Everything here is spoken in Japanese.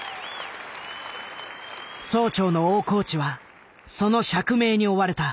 総長の大河内はその釈明に追われた。